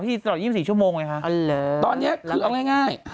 พี่ก็ไปก่อน๕ทุ่มมันปิดแล้วพี่